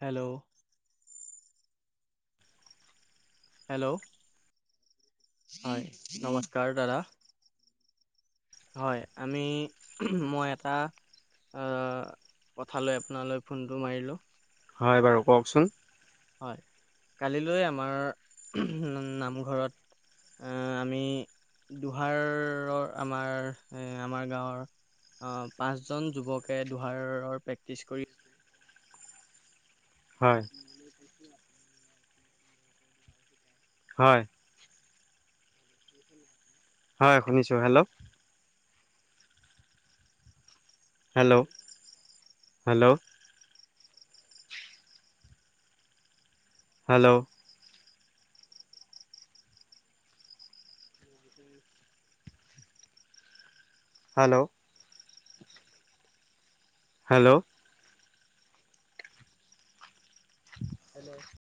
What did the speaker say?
Hello. Hello. হয়, নমস্কাৰ দাদা। হয়, আমি, মই এটা, আহ, কথা লৈ আপোনালৈ ফোনটো মাৰিলো। হয় বাৰু, কওঁকচোন? হয়, কালিলৈ আমাৰ, নামঘৰত এ, আমি দুহাৰৰ, আমাৰ এ, আমাৰ গাঁৱৰ অ', পাঁচ জন যুৱকে দহাৰৰ, প্ৰেক্টিচ কৰি হয়। হয়। হয়, শুনিছোঁ hello. Hello, hello. Hello. Hello. Hello. [inaudible]